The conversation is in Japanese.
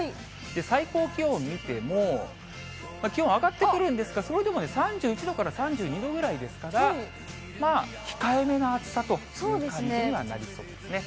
最高気温を見ても、気温上がってくるんですが、それでも３１度から３２度くらいですから、まあ控えめな暑さという感じにはなりそうですね。